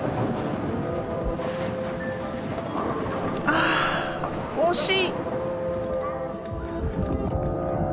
ああ惜しい！